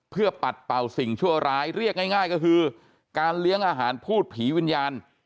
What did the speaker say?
เพื่อปัดเป่าสิ่งชั่วร้ายเรียกง่ายก็คือการเลี้ยงอาหารพูดผีวิญญาณ